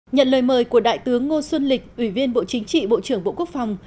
nhận lời mời của đại tướng ngô xuân lịch ủy viên bộ chính trị bộ trưởng bộ quốc phòng